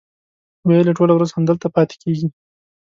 ویل یې ټوله ورځ همدلته پاتې کېږي.